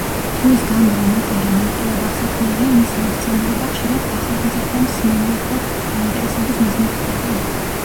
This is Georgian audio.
იმის გამო, რომ ოპერა მარტივად აღსაქმელია, მისი ინსცენირება ხშირად ახალგაზრდა მსმენელთა დაინტერესების მიზნით ხდება.